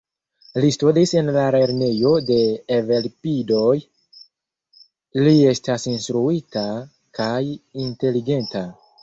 Li studis en la lernejo de «Evelpidoj», li estas instruita kaj inteligenta.